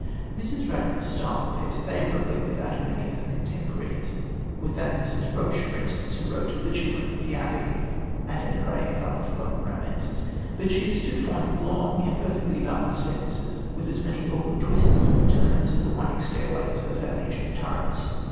Mrs. Radcliffe's style compares favourably with that of many of her contemporaries, with that of Mrs. Roche, for instance, who wrote The Children of the Abbey and an array of other forgotten romances, but she is too fond of long, imperfectly balanced sentences, with as many awkward twists and turns as the winding stairways of her ancient turrets.